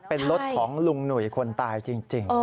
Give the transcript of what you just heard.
เป็นรถของลุงหนุ่ยคนตายจริง